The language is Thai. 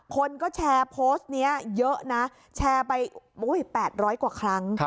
คนก็แชร์โพสต์นี้เยอะนะแชร์ไป๘๐๐กว่าครั้ง